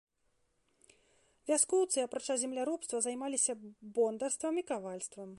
Вяскоўцы, апрача земляробства, займаліся бондарствам і кавальствам.